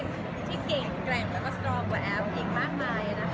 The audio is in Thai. พี่พี่พอพูดถึงสายยาดาลาพี่แอฟ